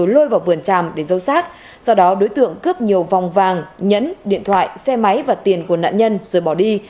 lôi vào vườn tràm để dâu xác sau đó đối tượng cướp nhiều vòng vàng nhẫn điện thoại xe máy và tiền của nạn nhân rồi bỏ đi